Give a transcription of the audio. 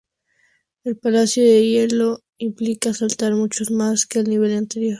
El palacio de hielo implica saltar mucho más que el nivel anterior.